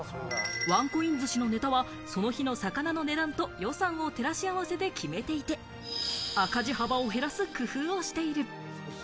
ワンコイン寿司のネタはその日の魚の値段と予算を照らし合わせて決めていて、赤字幅を減らす工夫をしている。